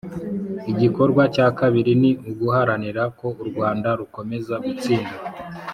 Igikorwa cya kabiri ni uguharanira ko u Rwanda rukomeza gutsinda